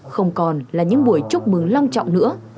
không còn là những buổi chúc mừng long trọng nữa